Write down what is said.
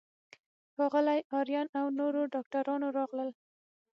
ښاغلی آرین او نورو ډاکټرانو راغلل.